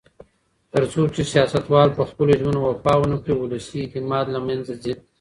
تر څو چې سیاستوال په خپلو ژمنو وفا ونکړي، ولسي اعتماد له منځه ځي.